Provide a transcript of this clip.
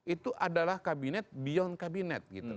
itu adalah kabinet beyond kabinet gitu